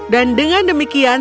dan dengan demikian